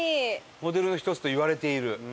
モデルの一つといわれている。